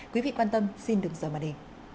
quý vị quan tâm xin đừng giờ mà đi